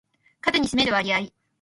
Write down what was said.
数に占める割合